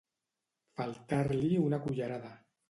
Faltar-li una cullerada.